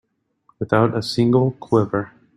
Without a single quiver.